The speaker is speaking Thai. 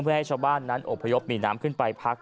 เพื่อให้ชาวบ้านนั้นอบพยพหนีน้ำขึ้นไปพัก